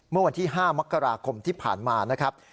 เมื่อวันที่๕มกราคมที่ผ่านมานะครับ